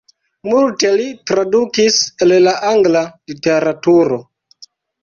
Multe li tradukis el la angla literaturo.